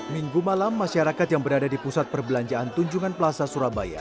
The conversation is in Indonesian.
minggu malam masyarakat yang berada di pusat perbelanjaan tunjungan plaza surabaya